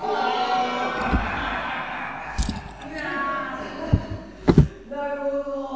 いやアハハなるほどのう。